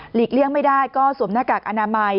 เลี่ยงไม่ได้ก็สวมหน้ากากอนามัย